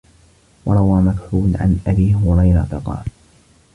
وَرَوَى مَكْحُولٌ عَنْ أَبِي هُرَيْرَةَ قَالَ